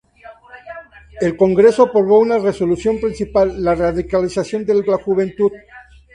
El Congreso aprobó una resolución principal "La radicalización de la juventud".